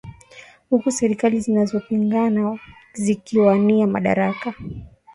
Huku serikali zinazopingana zikiwania madaraka.